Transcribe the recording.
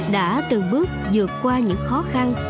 đã từng bước dượt qua những khó khăn